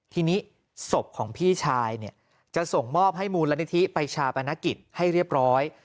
ทีนี้ศพของพี่ชายเนี่ยจะส่งมอบให้มูลนิธิไปชาปนกิจให้เรียบร้อย